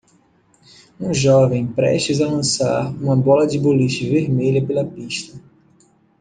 um jovem prestes a lançar uma bola de boliche vermelha pela pista